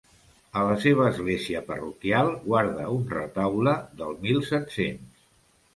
A la seva església parroquial guarda un retaule del mil set-cents.